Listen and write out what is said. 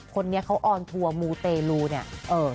คนนี้เขาออนทัวร์มูเตลูเนี่ย